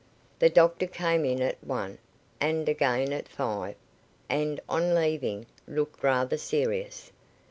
The doctor came in at one, and again at five; and, on leaving, looked rather serious.